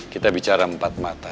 kita bicara empat mata